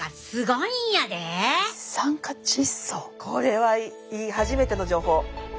これはいい初めての情報。